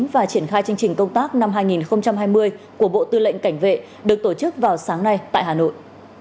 và triển khai chương trình công tác năm hai nghìn hai mươi của bộ tư lệnh cảnh vệ được tổ chức vào sáng nay tại hà nội